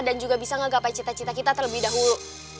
dan juga bisa ngegapai cita cita kita terlebih dahulu